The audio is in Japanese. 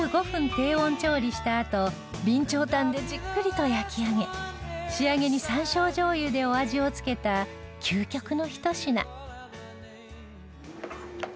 低温調理したあと備長炭でじっくりと焼き上げ仕上げに山椒醤油でお味をつけた究極のひと品